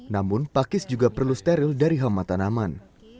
namun pakis juga perlu steril dari hama tanaman